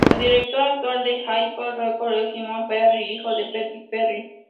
El director actual de Hyperion Records es Simon Perry, hijo de Ted Perry.